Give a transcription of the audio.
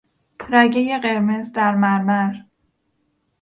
رگهی قرمز در مرمر